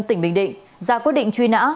tỉnh bình định ra quyết định truy nã